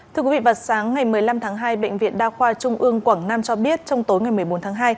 thưa quý vị vào sáng ngày một mươi năm tháng hai bệnh viện đa khoa trung ương quảng nam cho biết trong tối ngày một mươi bốn tháng hai